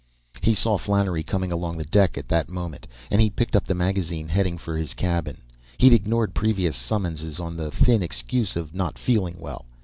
He saw Flannery coming along the deck at that moment, and he picked up the magazine, heading for his cabin. He'd ignored previous summons on the thin excuse of not feeling well.